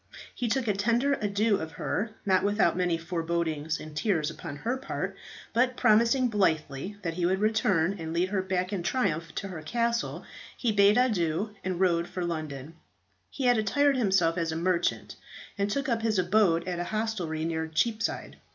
He took a tender adieu of her, not without many forebodings and tears upon her part; but promising blithely that he would return and lead her back in triumph to her castle, he bade adieu and rode for London. He had attired himself as a merchant, and took up his abode at a hostelry near Cheapside.